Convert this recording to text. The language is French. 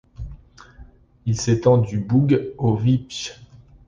Il s'étend du Boug au Wieprz.